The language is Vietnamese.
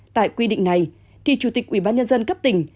tại quy định này thì chủ tịch ubnd cấp tỉnh